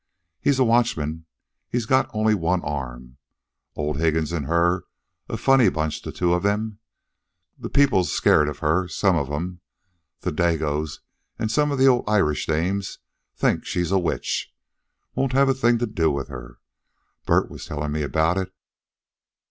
He's a watchman. He's got only one arm. Old Higgins an' her a funny bunch, the two of them. The people's scared of her some of 'em. The Dagoes an' some of the old Irish dames thinks she's a witch. Won't have a thing to do with her. Bert was tellin' me about it.